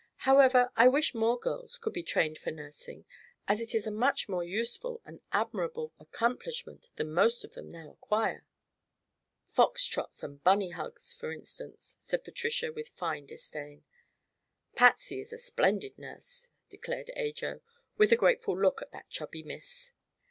However, I wish more girls could be trained for nursing, as it is a more useful and admirable accomplishment than most of them now acquire." "Fox Trots and Bunny Hugs, for instance," said Patricia with fine disdain. "Patsy is a splendid nurse," declared Ajo, with a grateful look toward that chubby miss.